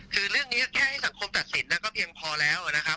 คือเรื่องนี้แค่ให้สังคมตัดสินก็เพียงพอแล้วนะครับ